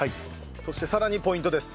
そしてさらにポイントです。